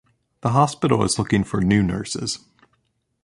The hospital is looking for new nurses.